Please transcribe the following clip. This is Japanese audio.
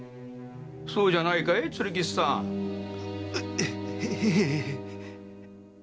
そうじゃないかい鶴吉さん？へへえ。